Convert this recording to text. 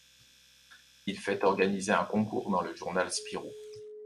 Il fait organiser un concours dans le journal Spirou.